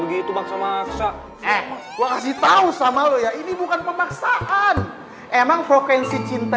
begitu maksa maksa kasih tahu sama lu ya ini bukan pemaksaan emang vokensi cinta